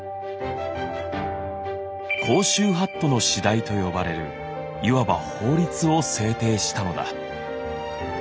「甲州法度之次第」と呼ばれるいわば法律を制定したのだ。